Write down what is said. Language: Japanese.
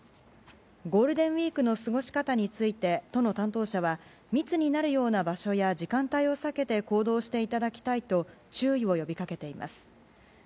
ゴールデンウィークの過ごし方について、都の担当者は、密になるような場所や時間帯を避けて行動していただきたいと、注意を呼びかけています。